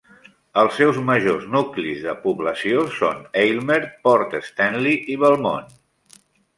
Els seus majors nuclis de població són Aylmer, Port Stanley i Belmont.